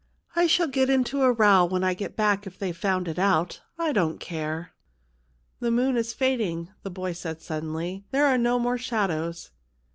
" I shall get into a row when I get back if they've found it out. I don't care." " The moon is fading," said the boy sud denly ;" there are no more shadows."